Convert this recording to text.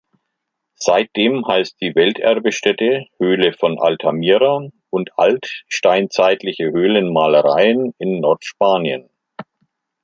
Seit dem heißt die Welterbestätte Höhle von Altamira und Altsteinzeitliche Höhlenmalereien in Nordspanien.